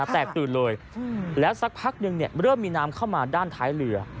แตกตื่นเลยแล้วสักพักนึงเริ่มมีน้ำเข้ามาด้านท้ายเรือ